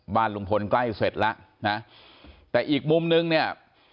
บ้านลุงพลใกล้เสร็จแล้วนะแต่อีกมุมนึงเนี่ย